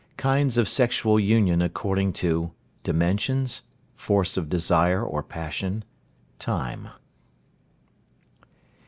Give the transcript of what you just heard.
KINDS OF SEXUAL UNION ACCORDING TO (a) DIMENSIONS. (b) FORCE OF DESIRE OR PASSION. (c) TIME.